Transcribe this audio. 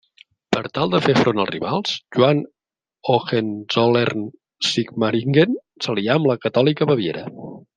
Per tal de fer front als rivals Joan Hohenzollern-Sigmaringen s'alià amb la catòlica Baviera.